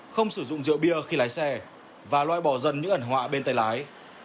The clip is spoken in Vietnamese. không sử dụng rượu bia khi lái xe và loại bỏ dần những ẩn họa bên tay lái